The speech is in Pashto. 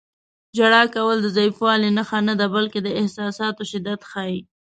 • ژړا کول د ضعیفوالي نښه نه ده، بلکې د احساساتو شدت ښيي.